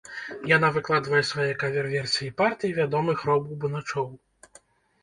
Яна выкладвае свае кавер-версіі партый вядомых рок-бубначоў.